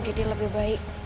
jadi lebih baik